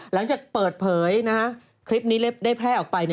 หลังจากเปิดเผยคลิปนี้ได้แพร่ออกไป